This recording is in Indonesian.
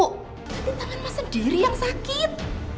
hati tangan mas sendiri yang sakit